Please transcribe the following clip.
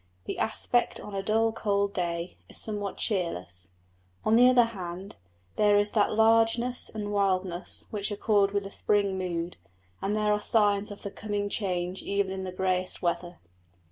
The aspect on a dull cold day is somewhat cheerless. On the other hand, there is that largeness and wildness which accord with the spring mood; and there are signs of the coming change even in the greyest weather.